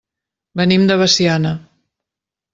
Venim de Veciana.